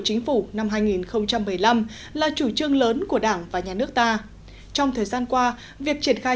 chính phủ năm hai nghìn một mươi năm là chủ trương lớn của đảng và nhà nước ta trong thời gian qua việc triển khai